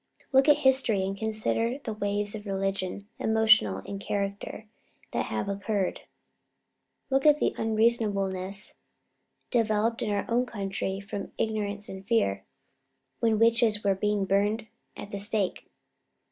Look at history, and consider the waves of religion, emotional in character, that have occurred. Look at the unreasonableness developed in our own country from ignorance and fear, when witches were burned at the stake!"